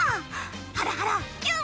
ハラハラキュン！